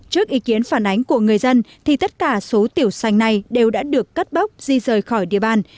trước ý kiến phản ánh của người dân thì tất cả số tiểu xanh này đều đã được cắt bóc di rời khỏi địa bàn